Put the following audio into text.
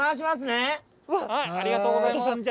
ありがとうございます。